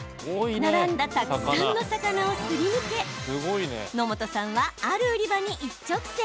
並んだ、たくさんの魚をすり抜け野本さんはある売り場に一直線。